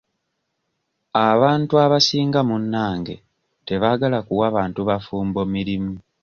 Abantu abasinga munnange tebaagala kuwa bantu bafumbo mirimu.